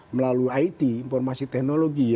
melalui it informasi teknologi